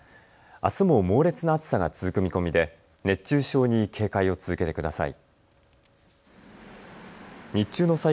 あすも猛烈な暑さが続く見込みで熱中症に警戒を続けてください。